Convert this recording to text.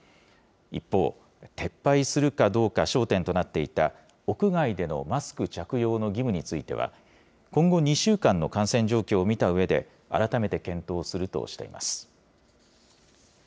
一方、撤廃するかどうか焦点となっていた屋外でのマスク着用の義務については、今後２週間の感染状況を見たうえで、改めて検討するとしています。